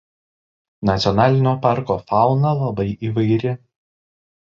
Nacionalinio parko fauna labai įvairi.